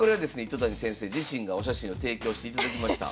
糸谷先生自身がお写真を提供していただきました。